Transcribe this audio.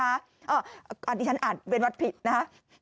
อ่ะอันนี้ฉันอ่านเวรวัติผิดนะ